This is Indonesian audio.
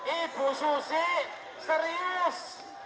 ibu susi serius